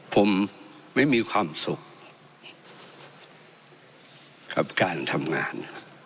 ผมไม่มีความสุขกับการทำงาน